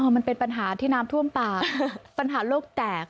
มันเป็นปัญหาที่น้ำท่วมปากปัญหาโลกแตก